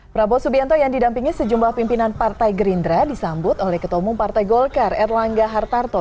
prabowo subianto yang didampingi sejumlah pimpinan partai gerindra disambut oleh ketua umum partai golkar erlangga hartarto